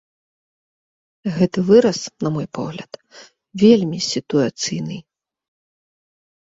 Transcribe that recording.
Гэты выраз, на мой погляд, вельмі сітуацыйны.